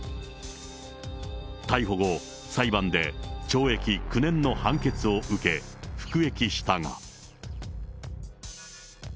逮捕後、裁判で懲役９年の判決を受け服役したが。